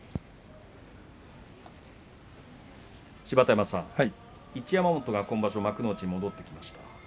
芝田山さん、一山本が今場所幕内に戻ってきました。